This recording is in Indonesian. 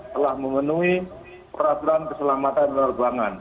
telah memenuhi peraturan keselamatan penerbangan